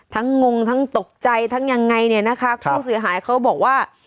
งงทั้งตกใจทั้งยังไงเนี่ยนะคะผู้เสียหายเขาบอกว่า